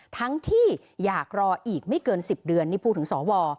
ทั้งที่อยากรออีกไม่เกิน๑๐เดือนนี่พูดถึงสว